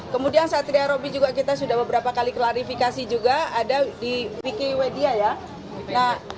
kemudian satria robi juga kita sudah beberapa kali klarifikasi juga ada di vicky wedya ya